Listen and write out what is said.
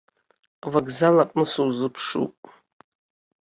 Авокзал аҟны сузыԥшуп.